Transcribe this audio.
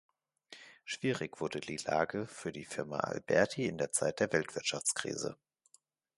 Schwierig wurde die Lage für die Firma Alberti in der Zeit der Weltwirtschaftskrise.